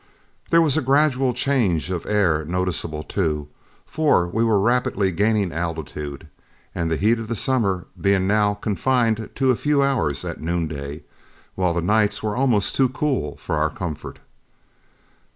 There was a gradual change of air noticeable too, for we were rapidly gaining altitude, the heat of summer being now confined to a few hours at noonday, while the nights were almost too cool for our comfort.